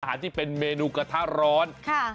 ที่เป็นเมนูกระทะร้อน